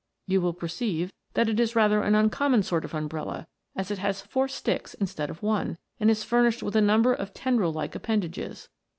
You will perceive, that it is rather an un common sort of umbrella, as it has four sticks instead of one, and is furnished with a number of tendril like appendages.